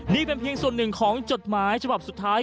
นี่เป็นเพียงส่วนหนึ่งของจดหมายฉบับสุดท้าย